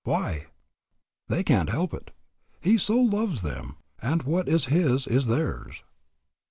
Why? They can't help it. He so loves them, and what is his is theirs.